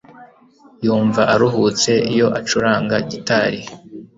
Yumva aruhutse iyo acuranga gitari